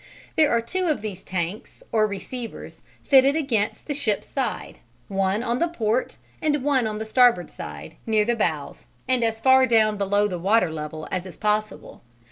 There are two of these tanks or "receivers" fitted against the ship's side, one on the port and one on the starboard side, near the bows, and as far down below the water level as is possible.